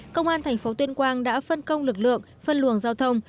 công an tp tuyên quang đã phân công lực lượng phân luồng giao thông